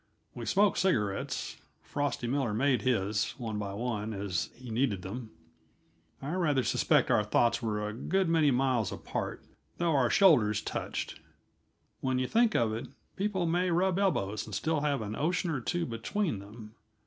We smoked cigarettes Frosty Miller made his, one by one, as he needed them and thought our own thoughts. I rather suspect our thoughts were a good many miles apart, though our shoulders touched. When you think of it, people may rub elbows and still have an ocean or two between them.